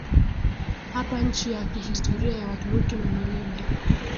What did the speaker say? hapa Nchi ya kihistoria ya Waturuki ni Milima